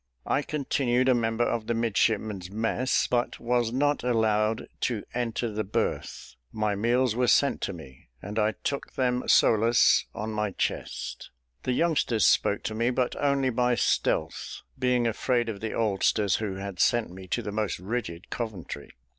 I continued a member of the midshipmen's mess, but was not allowed to enter the berth: my meals were sent to me, and I took them solus on my chest. The youngsters spoke to me, but only by stealth, being afraid of the oldsters, who had sent me to the most rigid Coventry.